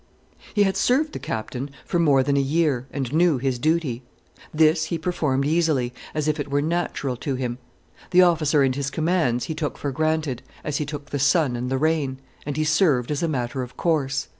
He had served the Captain for more than a year, and knew his duty. This he performed easily, as if it were natural to him. The officer and his commands he took for granted, as he took the sun and the rain, and he served as a matter of course.